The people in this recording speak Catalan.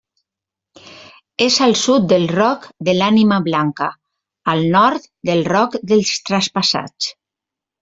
És al sud del Roc de l'Ànima Blanca, al nord del Roc dels Traspassats.